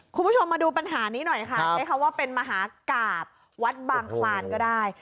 คุณผู้ชมมาดูปัญหานี้หน่อยค่ะใช้คำว่าเป็นมหากราบวัดบางคลานก็ได้